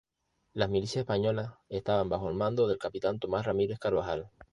Las "Milicias Españolas" estaban bajo el mando del capitán Tomás Ramírez Carvajal.